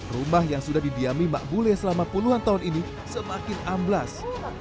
rumah yang sudah didiami mak bule selama puluhan tahun ini semakin amblas